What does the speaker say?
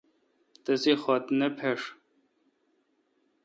تسےخط نے پھݭ۔